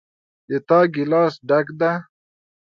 د تا ګلاس ډک ده